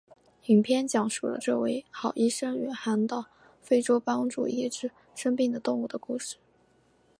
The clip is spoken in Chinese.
影片讲述了这位好医生远航到非洲帮助医治生病的动物的故事。